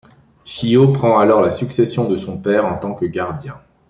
Shio prends alors la succession de son père en tant que gardien.